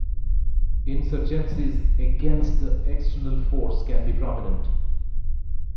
Insurgencies against the external force can be prominent.